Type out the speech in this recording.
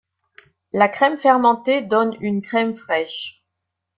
La crème fermentée donne une crème fraîche.